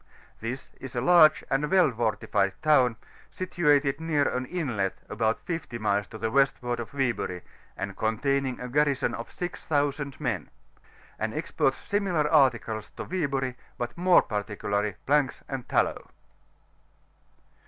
— ^This is a large and well foriified town, dtuated near an inlet about 50 miles to the westward of Wyburg, and containing a garrison of 6000 men : it carries on a good trade, and exports similar articles to Wyburg, but more particularly planks and taUow.